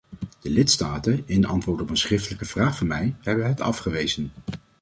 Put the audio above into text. De lidstaten, in antwoord op een schriftelijke vraag van mij, hebben het afgewezen.